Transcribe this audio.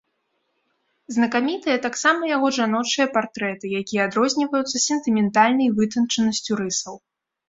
Знакамітыя таксама яго жаночыя партрэты, якія адрозніваюцца сентыментальнай вытанчанасцю рысаў.